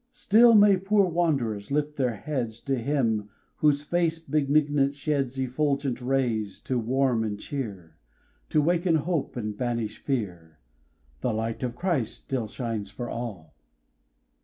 Still may poor wand'rers lift their heads To Him, whose face benignant sheds Effulgent rays, to warm and cheer, To waken hope, and banish fear; "The light of Christ still shines for all!"